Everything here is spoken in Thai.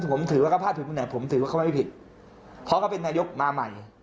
ผมถือว่าเขาพลาดผิดคนไหนผมถือว่าเขาไม่ผิดเขาก็เป็นนายกมาใหม่